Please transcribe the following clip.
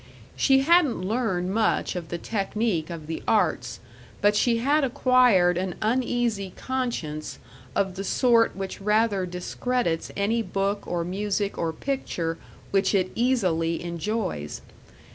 She hadn't learned much of the technique of the arts, but she had acquired an uneasy conscience of the sort which rather discredits any book or music or picture which it easily enjoys.